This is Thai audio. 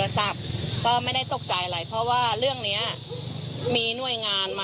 ซื้อมาขายให้ใครก็ตอบอย่างนั้น